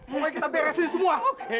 mulai kita beresin semua